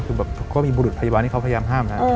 คือแบบก็มีบุรุษพยาบาลที่เขาพยายามห้ามนะ